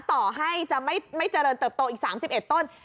ต่อให้จะไม่เจริญเติบโตอีก๓๑ต้น